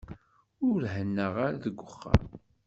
Ur hennaɣ ara deg uxxam.